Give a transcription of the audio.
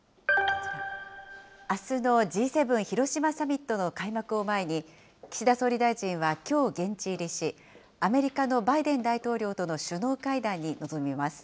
あすのＧ７広島サミットの開幕を前に、岸田総理大臣はきょう現地入りし、アメリカのバイデン大統領との首脳会談に臨みます。